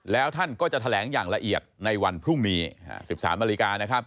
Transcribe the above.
แล้วท่านก็จะแถลงอย่างละเอียดในวันพรุ่งนี้๑๓นาฬิกานะครับ